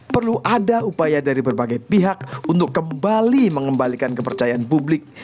perlu ada upaya dari berbagai pihak untuk kembali mengembalikan kepercayaan publik